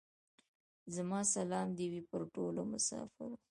زما سلام دي وې پر ټولو مسافرو.